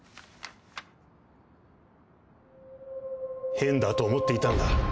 変だと思っていたんだ。